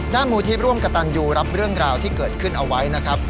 มูลที่ร่วมกระตันยูรับเรื่องราวที่เกิดขึ้นเอาไว้นะครับ